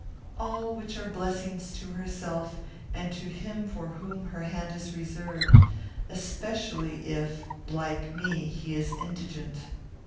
"All which are blessings to herself, and to him for whom her hand is reserved; especially if, like me, he is indigent."